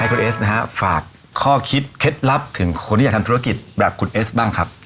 คุณเอสนะฮะฝากข้อคิดเคล็ดลับถึงคนที่อยากทำธุรกิจแบบคุณเอสบ้างครับ